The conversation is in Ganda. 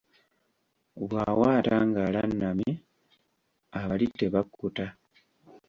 Bw'awaata ng'alannamye abali tebakkuta.